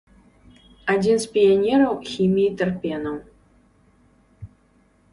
Адзін з піянераў хіміі тэрпенаў.